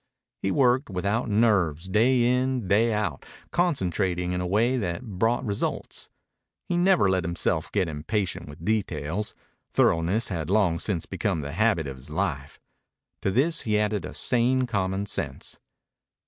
He worked without nerves, day in, day out, concentrating in a way that brought results. He never let himself get impatient with details. Thoroughness had long since become the habit of his life. To this he added a sane common sense.